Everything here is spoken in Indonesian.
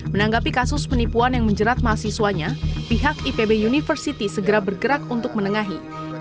menanggapi kasus penipuan yang menjerat mahasiswanya pihak ipb university segera bergerak untuk menengahi